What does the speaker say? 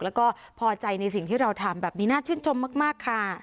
แล้วก็พอใจในสิ่งที่เราทำแบบนี้น่าชื่นชมมากค่ะ